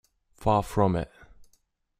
Far from it.